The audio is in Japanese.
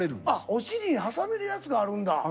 お尻に挟めるやつがあるんだ。